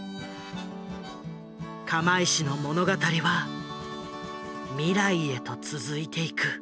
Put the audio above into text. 釜石の物語は未来へと続いていく。